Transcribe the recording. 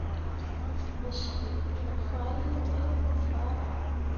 Me cii ne fahlii mai mo farah.